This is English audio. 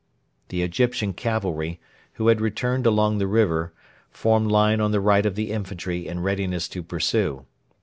The Egyptian cavalry, who had returned along the river, formed line on the right of the infantry in readiness to pursue.